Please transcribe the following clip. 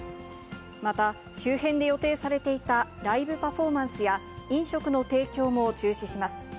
また、周辺で予定されていたライブパフォーマンスや飲食の提供も中止します。